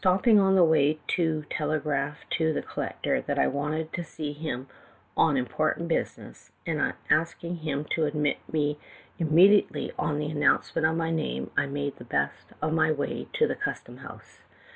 ping on the way to telegraph to collector that I wanted to see on important business, and asking admit me immediately on the THE TALKING HANDKERCHIEF. annouHcement of my name, I made the best of my way to the custom house.